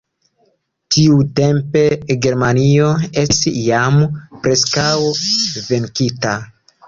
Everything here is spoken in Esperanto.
Tiutempe Germanio estis jam preskaŭ venkita.